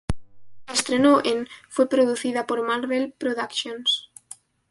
Se estrenó en, Fue producida por Marvel Productions.